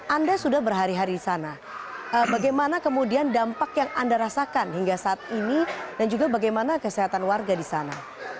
anda sudah berhari hari di sana bagaimana kemudian dampak yang anda rasakan hingga saat ini dan juga bagaimana kesehatan warga di sana